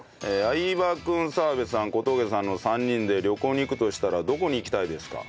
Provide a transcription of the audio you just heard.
相葉君澤部さん小峠さんの３人で旅行に行くとしたらどこに行きたいですか？